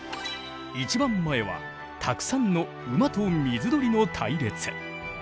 一番前はたくさんの馬と水鳥の隊列。